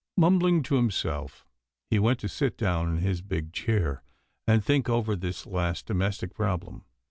Mumbling to himself, he went to sit down in his big chair, and think over this last domestic problem.